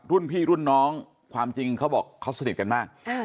รุ่นพี่รุ่นน้องความจริงเขาบอกเขาสนิทกันมาก